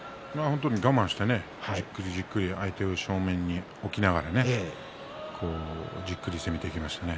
我慢してじっくりじっくりと相手を正面に置きながらじっくり攻めていきましたね。